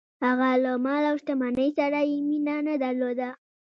هغه له مال او شتمنۍ سره یې مینه نه درلوده.